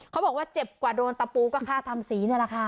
เขาบอกว่าเจ็บกว่าโดนตะปูก็ฆ่าทำสีนี่แหละค่ะ